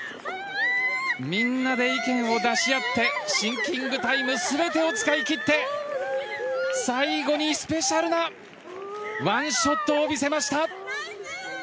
みんなで意見を出し合ってシンキングタイム全てを使い切って最後にスペシャルなワンショットを見せました。